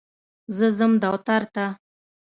زه ځم دوتر ته.